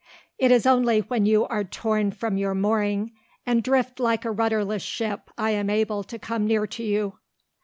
"It is only when you are torn from your mooring and drift like a rudderless ship I am able to come near to you."